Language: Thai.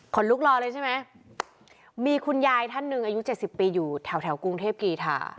ลุกรอเลยใช่ไหมมีคุณยายท่านหนึ่งอายุเจ็ดสิบปีอยู่แถวแถวกรุงเทพกีธา